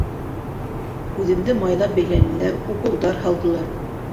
Күҙемде майлап бәйләнеләр, уколдар һалдылар.